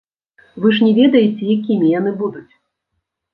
Вы ж не ведаеце, якімі яны будуць?